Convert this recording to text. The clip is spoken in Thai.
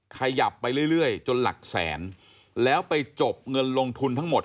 ขยับไปเรื่อยจนหลักแสนแล้วไปจบเงินลงทุนทั้งหมด